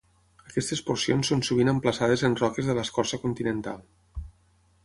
Aquestes porcions són sovint emplaçades en roques de l'escorça continental.